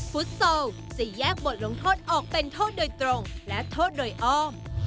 ฟุตซอลจะแยกบทลงโทษออกเป็นโทษโดยตรงและโทษโดยอ้อม